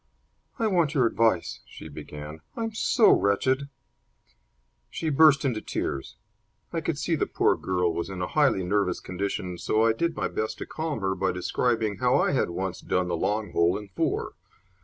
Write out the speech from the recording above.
"I want your advice," she began. "I'm so wretched!" She burst into tears. I could see the poor girl was in a highly nervous condition, so I did my best to calm her by describing how I had once done the long hole in four.